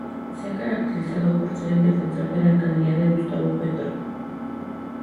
Se ha caracterizado por ser el defensor de la alcaldía de Gustavo Petro.